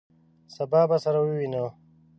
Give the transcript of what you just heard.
سبا به سره ووینو!